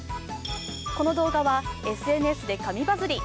この動画はＳＮＳで神バズり。